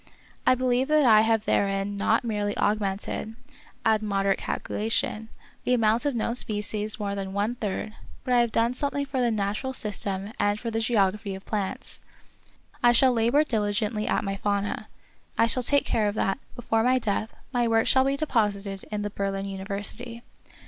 I believe that I have therein not merely augmented, at a moder of Peter Schlemihl. 115 ate calculation, the amount of known species more than one third, but have done something for the Natural System and for the Geography of Plants. I shall labor diligently at my Fauna. I shall take care that, before my death, my works shall be deposited in the Berlin University.